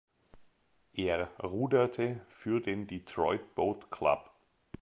Er ruderte für den "Detroit Boat Club".